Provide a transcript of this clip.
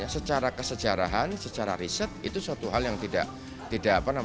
secara kesejarahan secara riset itu suatu hal yang tidak